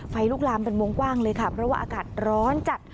ลูกลามเป็นวงกว้างเลยค่ะเพราะว่าอากาศร้อนจัด